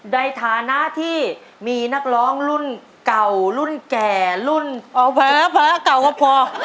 ในฐานะที่มีนักร้องรุ่นเก่ารุ่นแก่รุ่นอ๋อเผลอเก่าก็พอ